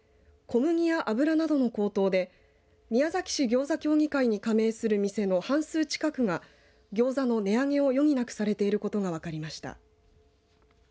小麦や油などの高騰で宮崎市ぎょうざ協議会に加盟する店の半数近くがギョーザの値上げを余儀なくされていることが分かりました。